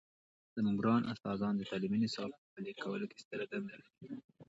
زموږ ګران استادان د تعلیمي نصاب په پلي کولو کې ستره دنده لري.